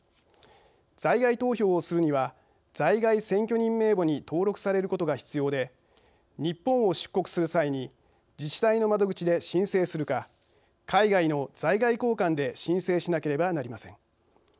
在外投票をするには在外選挙人名簿に登録されることが必要で日本を出国する際に自治体の窓口で申請するか海外の在外公館で申請しなければなりません。